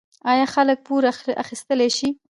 آیا خلک پور اخیستلی شي؟